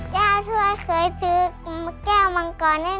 แก้วช่วยเคยซื้อแก้วมังกรได้หนึ่ง